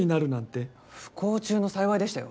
不幸中の幸いでしたよ